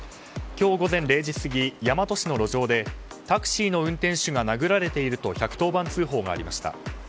今日午前０時過ぎ大和市の路上でタクシーの運転手が殴られていると１１０番通報がありました。